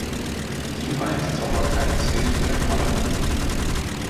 Hierbei ist Sauberkeit zwingend erforderlich.